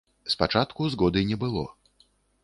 Спачатку згоды не было.